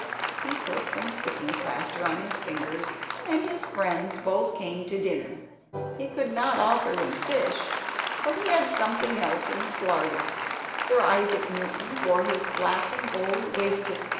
He put some sticking plaster on his fingers, and his friends both came to dinner. He could not offer them fish, but he had something else in his larder. Sir Isaac Newton wore his black and gold waistcoat.